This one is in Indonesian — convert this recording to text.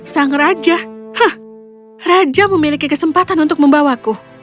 sang raja hah raja memiliki kesempatan untuk membawaku